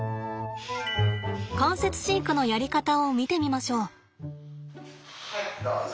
間接飼育のやり方を見てみましょう。